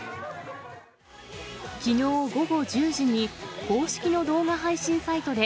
きのう午後１０時に公式の動画配信サイトで、